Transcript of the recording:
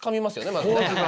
まずね。